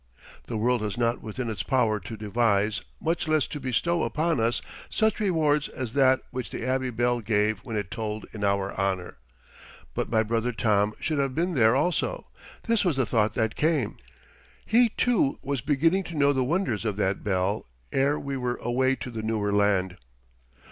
The world has not within its power to devise, much less to bestow upon us, such reward as that which the Abbey bell gave when it tolled in our honor. But my brother Tom should have been there also; this was the thought that came. He, too, was beginning to know the wonders of that bell ere we were away to the newer land.